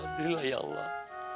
alhamdulillah ya allah